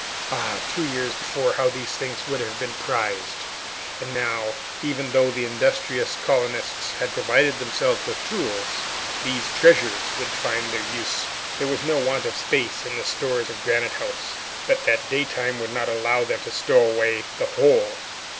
Ah, two years before, how these things would have been prized! And now, even though the industrious colonists had provided themselves with tools, these treasures would find their use. There was no want of space in the store rooms of Granite House, but that daytime would not allow them to stow away the whole.